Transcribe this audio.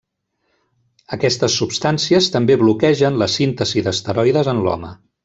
Aquestes substàncies també bloquegen la síntesi d'esteroides en l'home.